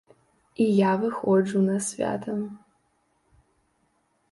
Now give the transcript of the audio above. І я выходжу на свята.